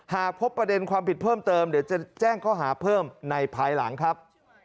หากพบประเด็นความผิดเพิ่มเติมเดี๋ยวจะแจ้งข้อหาเพิ่มในภายหลังครับ